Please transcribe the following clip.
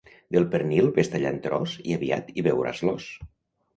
Del pernil ves tallant tros i aviat hi veuràs l'os.